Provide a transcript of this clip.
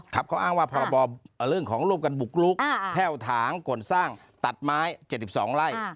เขาอ้างว่าพรบเรื่องของร่วมกันบุกลุกแห้วถางก่นสร้างตัดไม้๗๒ไร่